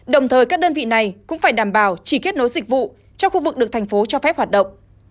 đồng thời các đơn vị này cũng phải đảm bảo chỉ kết nối dịch vụ cho khu vực được thành phố cho phép hoạt động